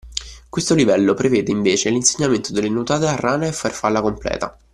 Questo livello prevede, invece, l’insegnamento delle nuotate a rana e farfalla completa